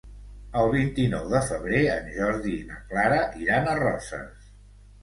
El vint-i-nou de febrer en Jordi i na Clara iran a Roses.